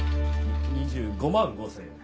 ２５万５０００円。